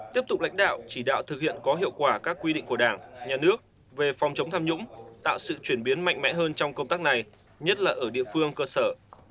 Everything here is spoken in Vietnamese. tiếp tục lãnh đạo chỉ đạo thực hiện có hiệu quả các quy định của đảng nhà nước về phòng chống tham nhũng tạo sự chuyển biến mạnh mẽ hơn trong công tác này nhất là ở địa phương cơ sở